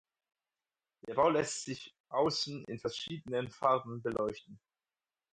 Der Bau lässt sich außen in verschiedenen Farben beleuchten.